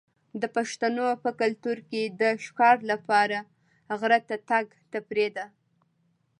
د پښتنو په کلتور کې د ښکار لپاره غره ته تګ تفریح ده.